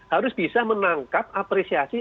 harus bisa menangkap apresiasi